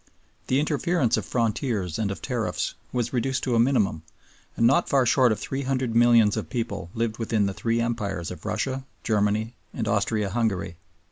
The interference of frontiers and of tariffs was reduced to a minimum, and not far short of three hundred millions of people lived within the three Empires of Russia, Germany, and Austria Hungary.